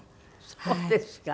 そうですか。